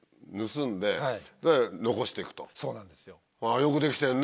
よくできてるね。